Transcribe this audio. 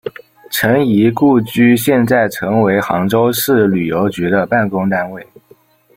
陈仪故居现在成为杭州市旅游局的办公单位。